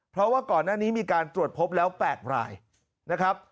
เพราะว่าก่อนหน้านี้มีการตรวจพบแล้ว๘รายนะครับ